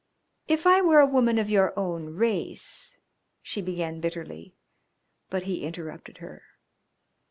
"If I were a woman of your own race " she began bitterly, but he interrupted her.